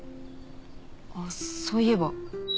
あっそういえば。